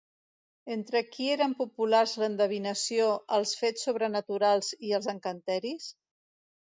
Entre qui eren populars l'endevinació, els fets sobrenaturals i els encanteris?